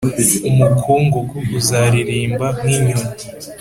umukungugu uzaririmba nk'inyoni